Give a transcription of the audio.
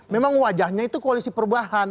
memang wajahnya itu koalisi perubahan